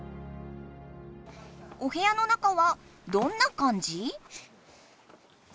おへやの中はどんな感じ？